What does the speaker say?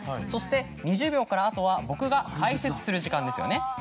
そして２０秒から後は僕が解説する時間ですよね。